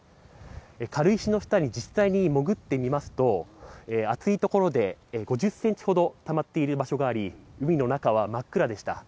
軽石の下に実際に潜ってみますと、厚い所で５０センチほどたまっている場所があり、海の中は真っ暗でした。